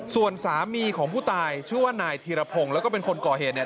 ส่วนสามีของผู้ตายชื่อว่านายธีรพงศ์แล้วก็เป็นคนก่อเหตุเนี่ย